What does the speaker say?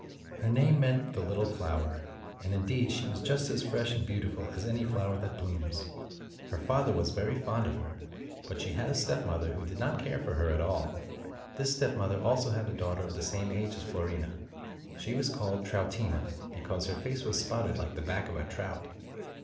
Her name meant "the Little Flower," and in deed she was just as fresh and beautiful as any flower that blooms. Her father was very fond of her, but she had a stepmother who did not care for her at all. This stepmother also had a daughter of the same age as Fiorina. She was called Troutina, be cause her face was spotted like the back of a trout.